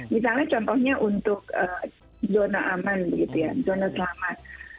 misalnya contohnya untuk zona aman zona selamat